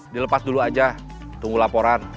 dilepas dulu aja tunggu laporan